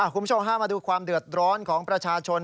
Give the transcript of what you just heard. คุณผู้ชมพามาดูความเดือดร้อนของประชาชน